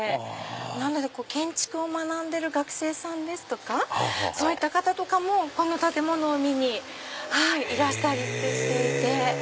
なので建築を学んでる学生さんですとかそういった方とかもこの建物を見にいらしたりしていて。